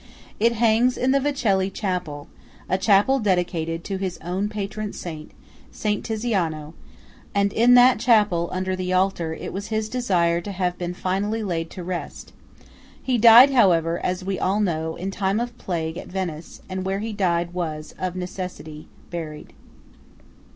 It hangs in the Vecelli chapel–a chapel dedicated to his own patron saint, S. Tiziano; and in that chapel, under that altar, it was his desire to have been finally laid to rest. He died, however, as we all know, in time of plague at Venice; and where he died was, of necessity, buried.